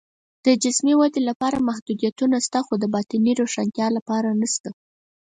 د جسمي ودې لپاره محدودیتونه شته، خو د باطني روښنتیا لپاره نشته